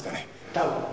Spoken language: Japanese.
多分。